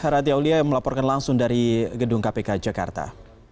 radya ulia yang melaporkan langsung dari gedung kpk jakarta